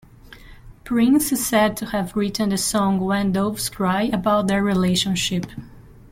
Prince is said to have written the song "When Doves Cry" about their relationship.